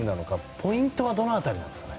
ポイントはどの辺りですか。